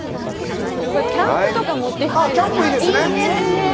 キャンプとか持っていきたいですね。